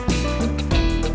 terima kasih bang